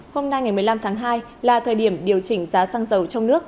hôm nay ngày một mươi năm tháng hai là thời điểm điều chỉnh giá xăng dầu trong nước